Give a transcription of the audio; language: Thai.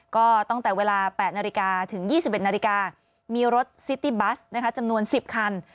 ก็ตั้งแต่เวลา๘นาฬิกาถึง๒๑นาฬิกามีรถซิตี้บัสจำนวน๑๐คัน